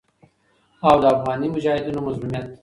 او د افغاني مجاهدينو مظلوميت